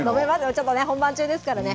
ちょっとね、本番中ですからね。